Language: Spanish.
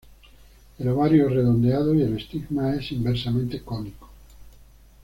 El ovario es redondeado y el estigma es inversamente cónico.